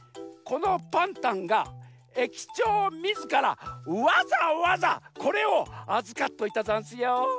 このパンタンが駅長みずからわざわざこれをあずかっといたざんすよ。